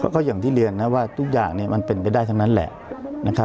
ก็อย่างที่เรียกนะว่าทุกอย่างมันเป็นไปได้ทั้งนั้นแหละ